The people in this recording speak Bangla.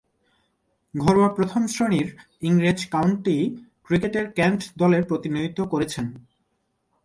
ঘরোয়া প্রথম-শ্রেণীর ইংরেজ কাউন্টি ক্রিকেটে কেন্ট দলের প্রতিনিধিত্ব করেছেন।